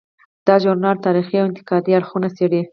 دا ژورنال تاریخي او انتقادي اړخونه څیړي.